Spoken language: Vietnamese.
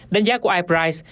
đánh giá của iprice